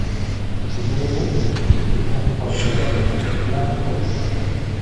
Ces journaux ont tous été fermés par le gouvernement, l'un après l'autre.